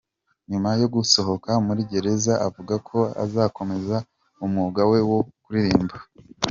Nyuma yo gusohoka muri gereza, avuga ko azakomeza umwuga we wo kuririmba.